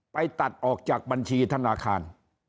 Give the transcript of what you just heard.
ตัดออกจากบัญชีธนาคาร